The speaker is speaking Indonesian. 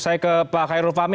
saya ke pak khairul fahmi